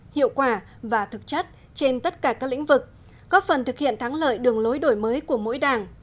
hiệu quả và thực chất trên tất cả các lĩnh vực góp phần thực hiện thắng lợi đường lối đổi mới của mỗi đảng